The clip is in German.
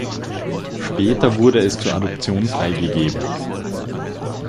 Später wurde es zur Adoption freigegeben.